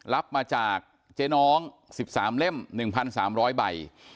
รับมาจากเจ๊น้อง๑๓เล่ม๑๓๐๐ใบ